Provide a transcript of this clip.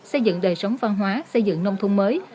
xây dựng đời sống văn hóa xây dựng nông thôn mới